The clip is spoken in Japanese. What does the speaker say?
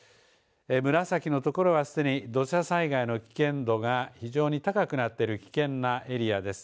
紫のところはすでに土砂災害の危険度が非常に高くなっている危険なエリアです。